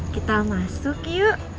kita masuk yuk